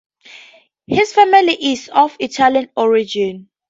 His family is of Italian origin.